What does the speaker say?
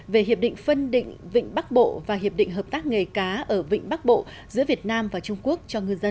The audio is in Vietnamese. về hiệp định phân định vịnh bắc bộ và hiệp định hợp tác nghề cá ở vịnh bắc bộ giữa việt nam và trung quốc cho ngư dân